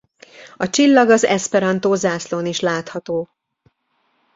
A csillag az eszperantó zászlón is látható.